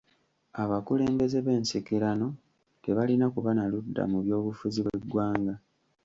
Abakulembeze b'ensikirano tebalina kuba na ludda mu by'obufuzi bw'eggwanga.